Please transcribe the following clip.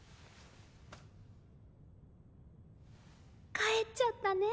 帰っちゃったね。